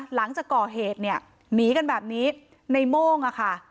หลังจากก่อเหตุเนี่ยหนีกันแบบนี้ในโม่งอะค่ะ